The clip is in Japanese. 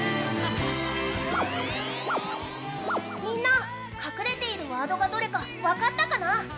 みんな隠れているワードがどれか分かったかな？